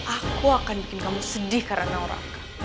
aku akan bikin kamu sedih karena orang